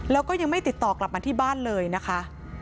แล้วก็ยังไม่ติดต่อกลับมาที่บ้านเลยนะคะ